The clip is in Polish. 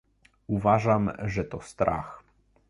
Uważam, że to strach